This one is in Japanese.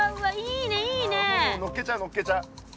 のっけちゃうのっけちゃう。